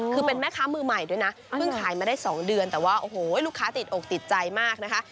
คือเป็นแม่ค้ามือใหม่ด้วยนะเพิ่งขายมาได้๒เดือนแต่ว่าโอ้โหลูกค้าติดอกติดใจมากนะคะ